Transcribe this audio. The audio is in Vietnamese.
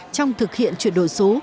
trong thực hiện chuyển đổi số